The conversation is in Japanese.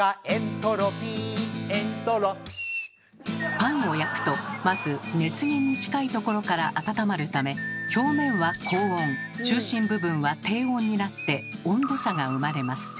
パンを焼くとまず熱源に近いところから温まるため表面は高温中心部分は低温になって温度差が生まれます。